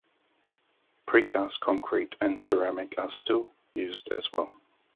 Precast concrete and ceramic are still used as well.